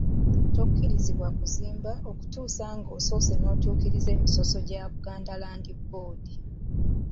Tokkirizibwa kuzimba okutuusa nga osoose n'otuukiriza emisoso gya Buganda Land Board.